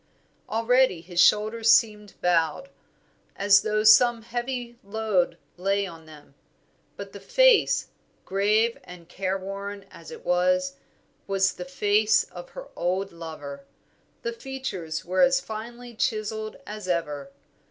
Already his shoulders seemed bowed, as though some heavy load lay on them; but the face, grave and careworn as it was, was the face of her old lover. The features were as finely chiselled as ever.